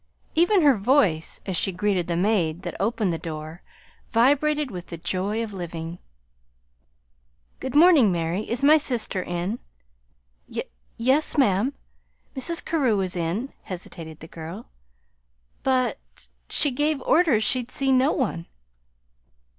Even her voice, as she greeted the maid that opened the door, vibrated with the joy of living. "Good morning, Mary. Is my sister in?" "Y yes, ma'am, Mrs. Carew is in," hesitated the girl; "but she gave orders she'd see no one."